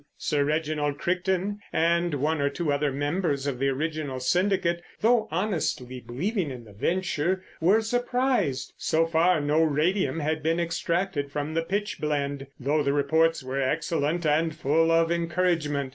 Sir Reginald Crichton and one or two other members of the original syndicate, though honestly believing in the venture, were surprised. So far, no radium had been extracted from the pitch blende—though the reports were excellent and full of encouragement.